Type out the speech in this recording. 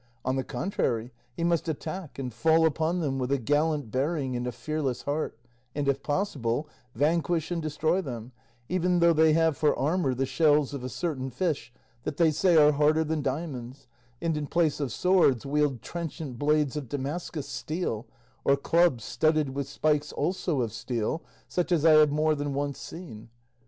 On the contrary, he must attack and fall upon them with a gallant bearing and a fearless heart, and, if possible, vanquish and destroy them, even though they have for armour the shells of a certain fish, that they say are harder than diamonds, and in place of swords wield trenchant blades of Damascus steel, or clubs studded with spikes also of steel, such as I have more than once seen.